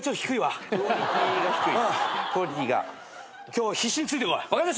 今日必死についてこい。